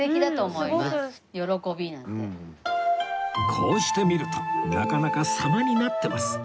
こうして見るとなかなか様になってます